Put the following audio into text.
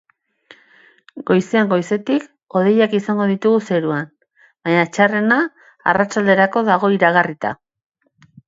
Goizean goizetik, hodeiak izango ditugu zeruan, baina txarrena arratsalderako dago iragarrita.